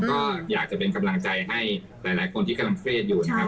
ก็อยากจะเป็นกำลังใจให้หลายคนที่กำลังเฟสอยู่นะครับ